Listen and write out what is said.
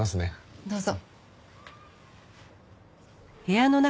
どうぞ。